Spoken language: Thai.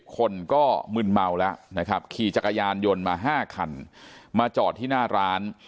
คนก็มึนเมาแล้วนะครับขี่จักรยานยนต์มา๕คันมาจอดที่หน้าร้าน